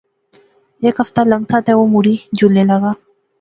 ہیک ہفتہ لنگتھا تہ او مڑی جلنے لاغا